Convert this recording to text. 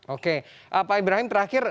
oke pak ibrahim terakhir